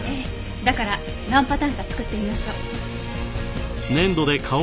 だから何パターンか作ってみましょう。